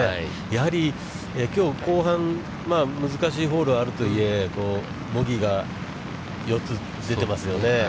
やはりきょう後半、難しいホール、あるとはいえ、ボギーが４つ出てますよね。